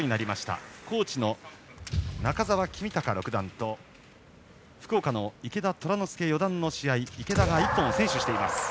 高知の中澤選手と福岡の池田虎ノ介四段の試合は池田が１本先取しています。